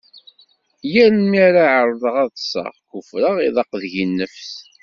Yal mi ara ɛerḍeɣ ad ṭseɣ, kufreɣ iḍaq deg-i nnefs.